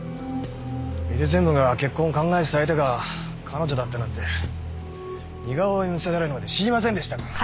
井出専務が結婚を考えてた相手が彼女だったなんて似顔絵見せられるまで知りませんでしたから。